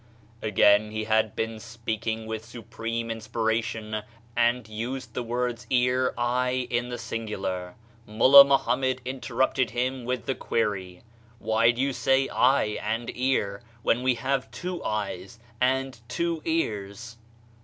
Again he had been speaking with supreme inspiration, and used the words ear, eye, in the singular. Mullah Mohammed interrupted him with the query: "Why do you say 'eye' and 'ear' when we have two eyes and two ears?"